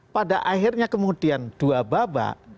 pada akhirnya kemudian dua babak